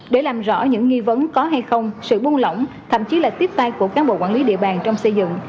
để làm rõ những nghi vấn có hay không sự buông lỏng thậm chí là tiếp tay của cán bộ quản lý địa bàn trong xây dựng